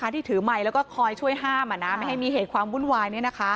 ที่ถือไมค์แล้วก็คอยช่วยห้ามไม่ให้มีเหตุความวุ่นวาย